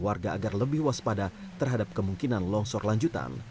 warga agar lebih waspada terhadap kemungkinan longsor lanjutan